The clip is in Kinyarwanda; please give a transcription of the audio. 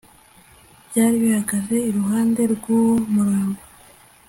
byari bihagaze iruhande rw uwo murambo